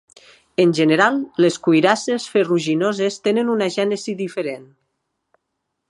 En general, les cuirasses ferruginoses tenen una gènesi diferent.